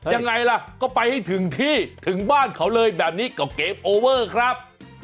ยังไงล่ะก็ไปให้ถึงที่ถึงบ้านเขาเลยแบบนี้กับเกมโอเวอร์ครับ